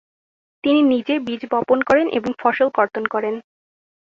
তিনি নিজে বীজ বপন করেন এবং ফসল কর্তন করেন।